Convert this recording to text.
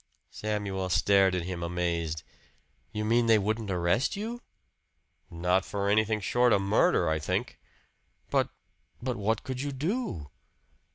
Samuel stared at him, amazed. "You mean they wouldn't arrest you?" "Not for anything short of murder, I think." "But but what could you do?"